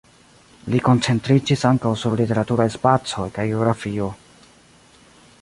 Li koncentriĝis ankaŭ sur literaturaj spacoj kaj geografio.